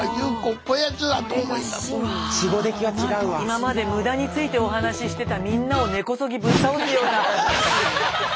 今まで無駄についてお話ししてたみんなを根こそぎぶっ倒すような。